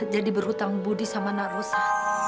jadi berhutang budi sama nak rosa